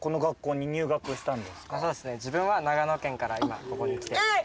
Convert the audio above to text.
自分は長野県から今ここに来てます。